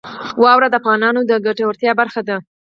واوره د افغانانو د ګټورتیا برخه ده.